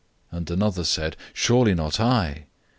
And another said, "Surely not I?"